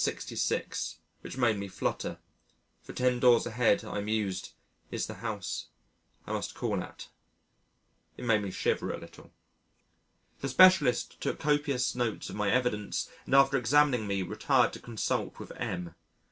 66 which made me flutter for ten doors ahead I mused is the house I must call at. It made me shiver a little. The specialist took copious notes of my evidence and after examining me retired to consult with M